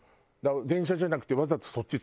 電車じゃなくてわざとそっち。